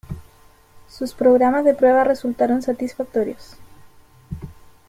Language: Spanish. Sus programas de prueba resultaron satisfactorios.